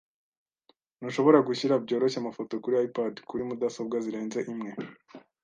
Ntushobora gushyira byoroshye amafoto kuri iPad kuri mudasobwa zirenze imwe.